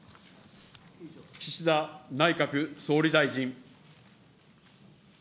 岸田内閣総理大臣。